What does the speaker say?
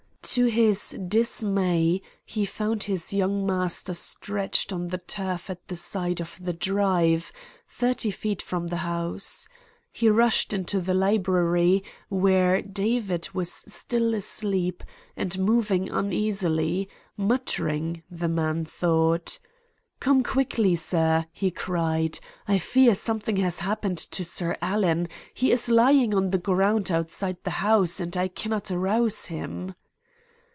"To his dismay he found his young master stretched on the turf at the side of the drive, thirty feet from the house. He rushed into the library, where David was still asleep and moving uneasily muttering, the man thought: "'Come quickly, sir,' he cried, 'I fear something has happened to Sir Alan. He is lying on the ground outside the house, and I cannot arouse him.'